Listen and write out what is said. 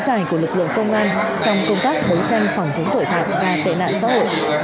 nối dài của lực lượng công an trong công tác bấu tranh phòng chống tội phạm và tệ nạn xã hội